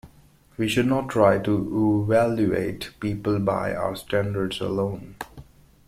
We should not try to evaluate people by our standards alone.